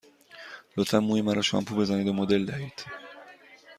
لطفاً موی مرا شامپو بزنید و مدل دهید.